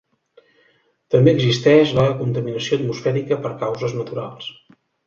També existeix la contaminació atmosfèrica per causes naturals.